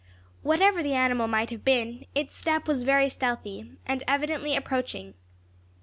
Whatever the animal might have been, its step was very stealthy, and evidently approaching.